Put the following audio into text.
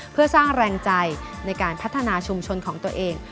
เพื่อสร้างแรงใจในการพัฒนาชุมชนของตัวเอง